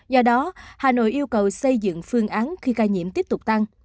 do đó hà nội yêu cầu xây dựng phương án khi ca nhiễm tiếp tục tăng